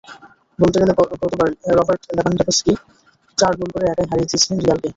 বলতে গেলে গতবার রবার্ট লেভানডফস্কি চার গোল করে একাই হারিয়ে দিয়েছিলেন রিয়ালকে।